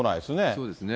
そうですね。